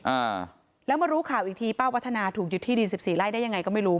อ่าแล้วมารู้ข่าวอีกทีป้าวัฒนาถูกยึดที่ดินสิบสี่ไร่ได้ยังไงก็ไม่รู้